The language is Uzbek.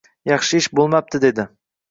Yaxshi ish bo`lmapti, dedi